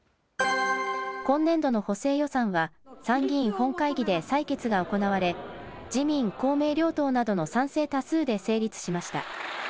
今年度の補正予算は、参議院本会議で採決が行われ、自民、公明両党などの賛成多数で成立しました。